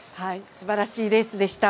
すばらしいレースでした。